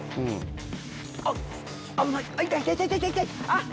あっ！